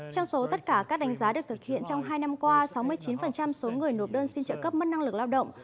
trong số tất cả các đánh giá được thực hiện trong hai năm qua sáu mươi chín số người nộp đơn xin trợ cấp mất năng lực lao động